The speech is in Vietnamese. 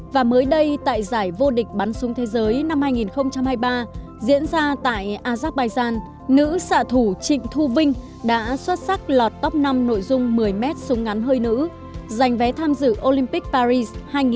và mới đây tại giải vô địch bắn súng thế giới năm hai nghìn hai mươi ba diễn ra tại azerbaijan nữ xạ thủ trịnh thu vinh đã xuất sắc lọt top năm nội dung một mươi mét súng ngắn hơi nữ giành vé tham dự olympic paris hai nghìn hai mươi bốn